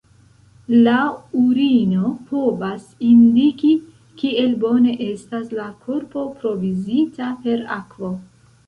La urino povas indiki, kiel bone estas la korpo provizita per akvo.